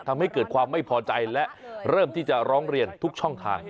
ทำให้เกิดความไม่พอใจและเริ่มที่จะร้องเรียนทุกช่องทาง